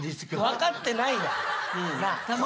分かってないやん！